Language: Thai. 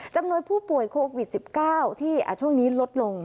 จำนวนผู้ป่วยโควิด๑๙ที่ช่วงนี้ลดลง